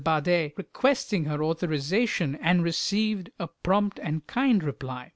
Bader requesting her authorization, and received a prompt and kind reply.